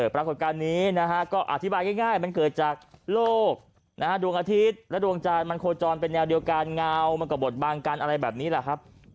ปรากฏการณ์นี้นะฮะก็อธิบายง่ายมันเกิดจากโลกดวงอาทิตย์และดวงจันทร์มันโคจรเป็นแนวเดียวกันเงามันก็บดบังกันอะไรแบบนี้แหละครับ